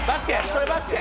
それバスケ！